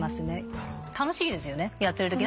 楽しいですよねやってるとき。